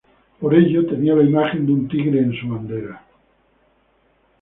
Por ello tenía la imagen de un tigre en su bandera.